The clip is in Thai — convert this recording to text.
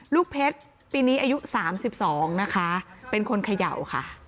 ลูกเพชรปีนี้อายุ๓๒นะคะเป็นคนเขย่าค่ะ